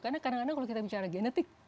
karena kadang kadang kalau kita bicara genetik